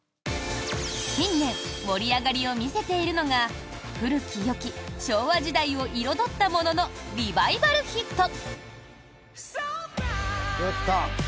近年盛り上がりを見せているのが古きよき昭和時代を彩ったもののリバイバルヒット！